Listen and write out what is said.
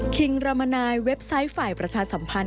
คริ่งรามนายเว็บไซต์ฝ่ายประชาสัมพาล